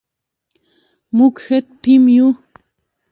موږ ښه ټیم یو